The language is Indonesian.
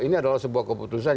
ini adalah sebuah keputusan